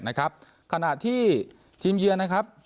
ขณะที่ทีมเยือนนะครับ